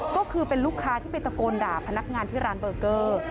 ก็คือเป็นลูกค้าที่ไปตะโกนด่าพนักงานที่ร้านเบอร์เกอร์